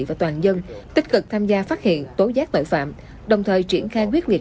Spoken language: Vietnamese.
và toàn dân tích cực tham gia phát hiện tố giác tội phạm đồng thời triển khai quyết liệt